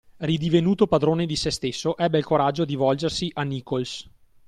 Ridivenuto padrone di se stesso, ebbe il coraggio di volgersi a Nichols.